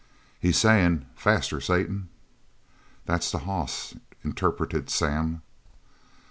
"He's sayin': 'Faster, Satan.'" "That's the hoss," interpreted Sam.